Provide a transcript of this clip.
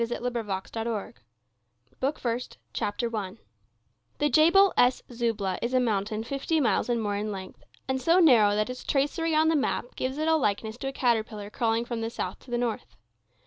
The Crucifixion BOOK FIRST CHAPTER I The Jebel es Zubleh is a mountain fifty miles and more in length, and so narrow that its tracery on the map gives it a likeness to a caterpillar crawling from the south to the north.